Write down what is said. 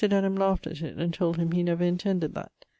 Denham laught at it, and told him he never intended that.